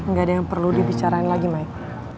nggak ada yang perlu dibicarain lagi mike